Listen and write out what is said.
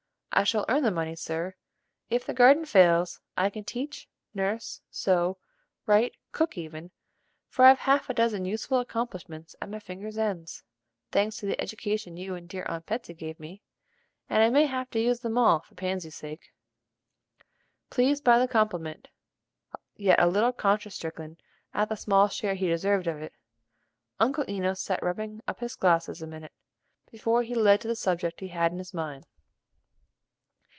"I shall earn the money, sir. If the garden fails I can teach, nurse, sew, write, cook even, for I've half a dozen useful accomplishments at my fingers' ends, thanks to the education you and dear Aunt Betsey gave me, and I may have to use them all for Pansy's sake." Pleased by the compliment, yet a little conscience stricken at the small share he deserved of it, Uncle Enos sat rubbing up his glasses a minute, before he led to the subject he had in his mind.